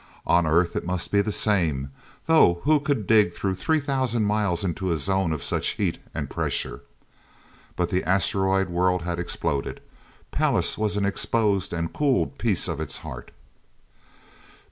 On Earth it must be the same, though who could dig three thousand miles into a zone of such heat and pressure? But the asteroid world had exploded. Pallas was an exposed and cooled piece of its heart.